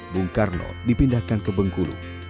bung karno dipindahkan ke bengkulu